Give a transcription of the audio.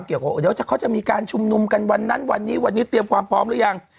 ว่าเดี๋ยวเขาจะมีการชุมนุมกันวันนั้นวันนี้วันนี้เตรียมความพร้อมหรือยัง